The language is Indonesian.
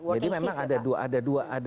jadi memang ada dua dimensi yang saya lihat ya